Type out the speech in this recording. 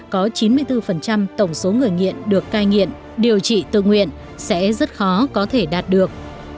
có chín mươi bốn tổng số người nghiện được cai nghiện điều trị tự nguyện sẽ rất khó có thể đạt được